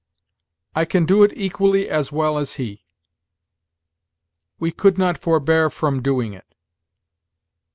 "I can do it equally as well as he." "We could not forbear from doing it."